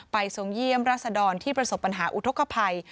ทรงเยี่ยมราษดรที่ประสบปัญหาอุทธกภัย